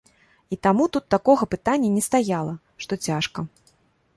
І таму тут такога пытання не стаяла, што цяжка.